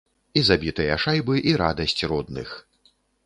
І забітыя шайбы, і радасць родных.